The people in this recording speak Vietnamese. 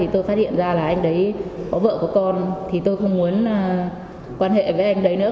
tôi phát hiện ra là anh ấy có vợ có con tôi không muốn quan hệ với anh ấy nữa